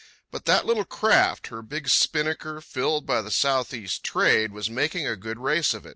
But that little craft, her big spinnaker filled by the southeast trade, was making a good race of it.